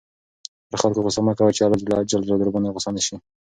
پر خلکو غصه مه کوه چې اللهﷻ درباندې غصه نه شي.